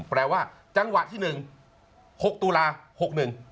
แปลว่าจังหวะที่หนึ่ง๖ตุลาคม๖๑